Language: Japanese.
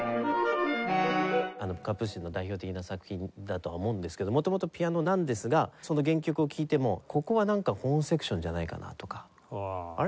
カプースチンの代表的な作品だと思うんですけど元々ピアノなんですがその原曲を聴いてもここはホーンセクションじゃないかな？とかあれ？